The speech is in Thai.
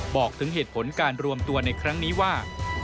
บอกถึงเหตุผลการรวมตัวในครั้งนี้ว่า